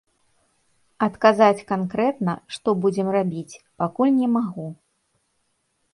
Адказаць канкрэтна, што будзем рабіць, пакуль не магу.